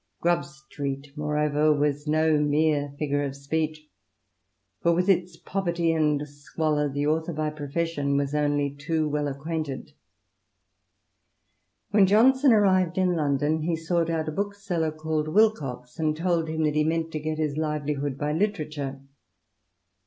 Grub Street, moreover, was no mere figure of speech, for with its poverty and squalor the author by profession was only too well acquainted. When Johnson arrived in London he sought out a bookseller called Wilcox, and told him that he meant to get his livelihood by literature.